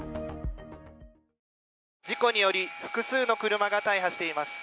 事故により複数の車が大破しています。